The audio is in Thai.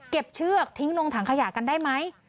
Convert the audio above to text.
เชือกทิ้งลงถังขยะกันได้ไหม